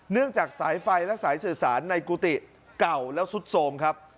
เนื่องจากสายไฟและสายสื่อสารในกุฏิเก่าแล้วสุดโทรมครับ